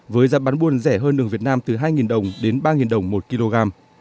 với giá bán buôn rẻ hơn đường việt nam từ hai đồng đến ba đồng một kg